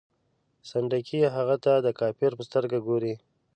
سنډکي هغه ته د کافر په سترګه ګوري.